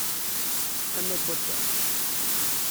Tama n wadda.